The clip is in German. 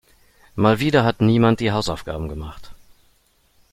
Mal wieder hat niemand die Hausaufgaben gemacht.